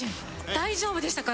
大丈夫でしたか？